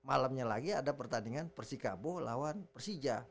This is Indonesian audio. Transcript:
malamnya lagi ada pertandingan persikabo lawan persija